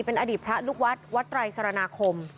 เป็นอดีตพระลูกวัดวัดไตรสรณาคม